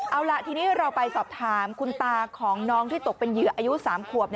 เอาล่ะทีนี้เราไปสอบถามคุณตาของน้องที่ตกเป็นเหยื่ออายุ๓ขวบ